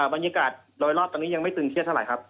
บรรยากาศโดยรอบตอนนี้ยังไม่ตึงเครียดเท่าไหร่ครับ